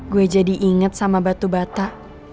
gue jadi inget sama batu bata